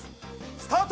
スタート！